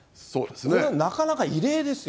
これはなかなか異例ですよ。